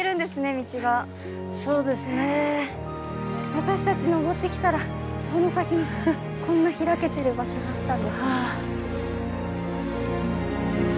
私たち登ってきたらその先にこんな開けてる場所があったんですね。